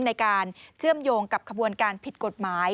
ในการเชื่อมโยงกับขบวนการผิดกฎหมาย